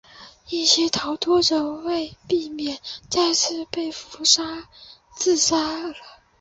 一些逃脱者为避免再次被俘自杀了。